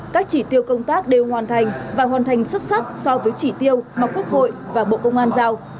các chỉ tiêu công tác đều hoàn thành và hoàn thành xuất sắc so với chỉ tiêu mà quốc hội và bộ công an giao